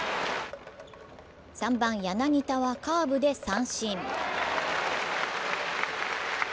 ３番・柳田はカーブで三振。